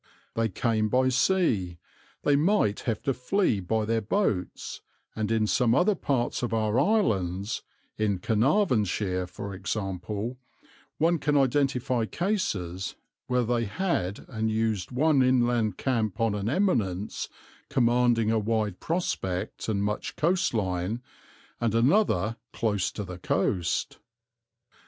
They came by sea, they might have to flee by their boats, and in some other parts of our islands, in Carnarvonshire for example, one can identify cases where they had and used one inland camp on an eminence commanding a wide prospect and much coastline, and another close to the coast.